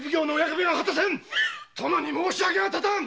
殿に申し訳がたたん！